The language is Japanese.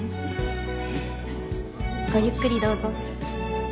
ごゆっくりどうぞ。